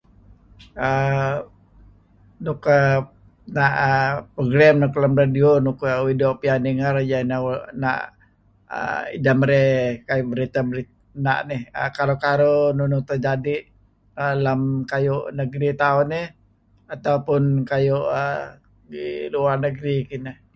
err nuk err na' err program luk lem radio luk uih doo' piyan ninger na' err ideh merey berita na' nuk karuh-karuh nuk terjadi' lem kayu' negeri tauh nih atau pun kayu' ngi luar negri kinah